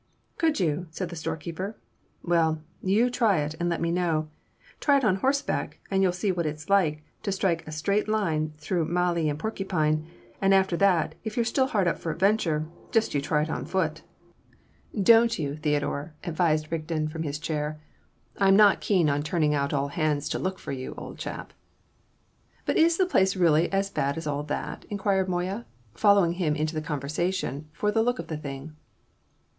"Could you?" said the storekeeper. "Well, you try it, and let me know! Try it on horseback, and you'll see what it's like to strike a straight line through mallee and porcupine; and after that, if you're still hard up for an adventure, just you try it on foot." "Don't you, Theodore," advised Rigden from his chair. "I'm not keen on turning out all hands to look for you, old chap." "But is the place really as bad as all that?" inquired Moya, following him into the conversation for the look of the thing.